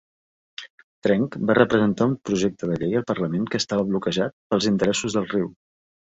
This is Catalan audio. Trench va presentar un projecte de llei al Parlament que estava bloquejat pels interessos del riu.